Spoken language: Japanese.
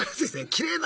きれいな。